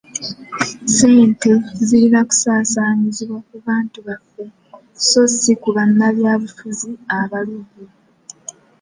Ssenti zirina kusaasaanyizibwa ku bantu baffe so si ku bannabyabufuzi abaluvu.